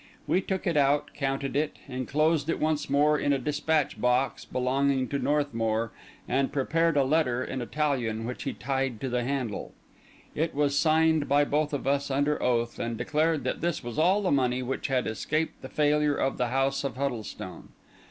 We took it out, counted it, enclosed it once more in a despatch box belonging to Northmour, and prepared a letter in Italian which he tied to the handle. It was signed by both of us under oath, and declared that this was all the money which had escaped the failure of the house of Huddlestone.